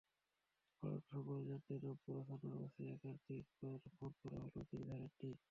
ঘটনা সম্পর্কে জানতে রামপুরা থানার ওসি একাধিকবার ফোন করা হলেও তিনি ধরেননি।